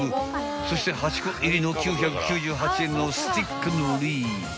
［そして８個入りの９９８円のスティックのり］